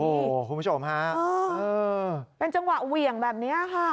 โอ้โหคุณผู้ชมฮะเป็นจังหวะเหวี่ยงแบบนี้ค่ะ